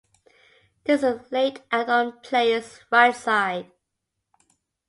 This is laid out on players right side.